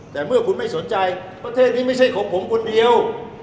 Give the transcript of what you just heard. แต่เมื่อคุณไม่สนใจประเทศนี้ไม่ใช่ของผมคนเดียว